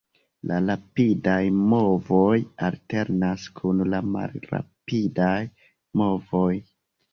La rapidaj movoj alternas kun la malrapidaj movoj.